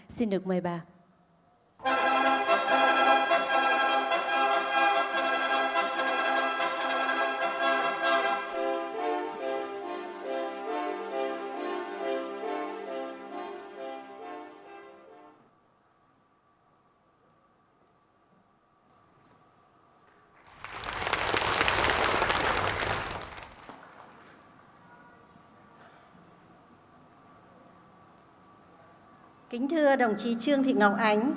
xin được mời bà